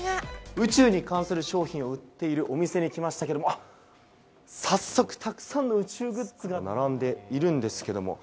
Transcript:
宇宙に関する商品を売っているお店に来ましたけれども、早速、たくさんの宇宙グッズが並んでいます。